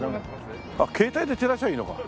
あっ携帯で照らしゃいいのか。